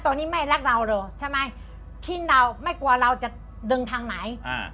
ตอนนี้ไม่รักเราเหรอใช่ไหมคิ้นเราไม่กลัวเราจะดึงทางไหนอ่า